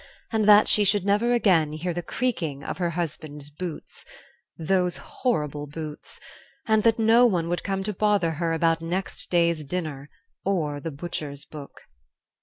and that she should never again hear the creaking of her husband's boots those horrible boots and that no one would come to bother her about the next day's dinner... or the butcher's book....